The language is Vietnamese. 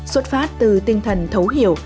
xuất phát từ tinh thần thấu hiểu